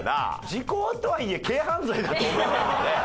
時効とはいえ軽犯罪だと思うけどね。